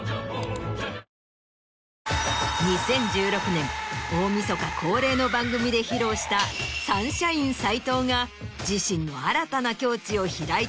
２０１６年大みそか恒例の番組で披露したサンシャイン斎藤が自身の。